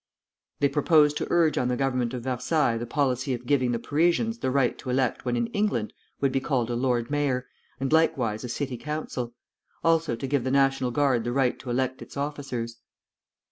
They proposed to urge on the Government of Versailles the policy of giving the Parisians the right to elect what in England would be called a Lord Mayor, and likewise a city council; also to give the National Guard the right to elect its officers.